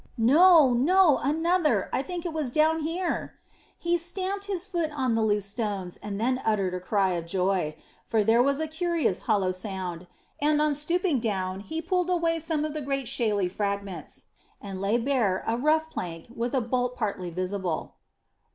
"No, no, another. I think it was down here." He stamped his foot on the loose stones, and then uttered a cry of joy, for there was a curious hollow sound, and on stooping down he pulled away some of the great shaley fragments, and laid bare a rough plank with a bolt partly visible.